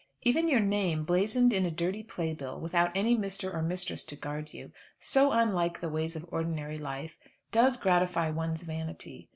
Even your name, blazoned in a dirty playbill, without any Mister or Mistress to guard you, so unlike the ways of ordinary life, does gratify one's vanity.